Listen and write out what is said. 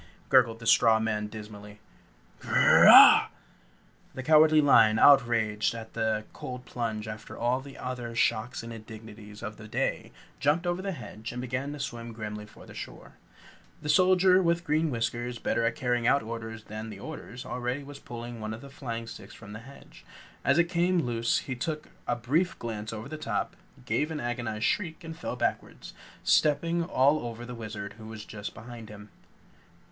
gurgled the straw man dismally. "Grrr rah!" The Cowardly Lion, outraged at the cold plunge after all the other shocks and indignities of the day, jumped over the hedge and began to swim grimly for the shore. The Soldier with Green Whiskers, better at carrying out orders than the others, already was pulling one of the flying sticks from the hedge. As it came loose he took a brief glance over the top, gave an agonized shriek and fell backward, stepping all over the Wizard who was just behind him.